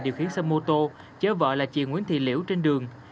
điều khiến xe mô tô chở vợ là chị nguyễn thị liễu trên đường